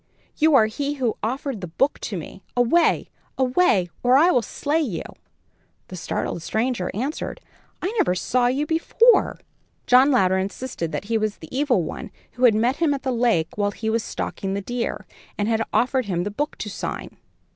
You are he who offered the book to me. Away! away! or I will slay you!" The startled stranger answered: "I never saw you before." John Louder insisted that he was the evil one who had met him at the lake while he was stalking the deer, and had offered him the book to sign.